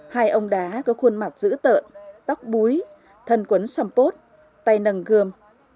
hai ông đá có khuôn mặt dữ tợn tóc búi thần quấn xăm pốt tay nầng gươm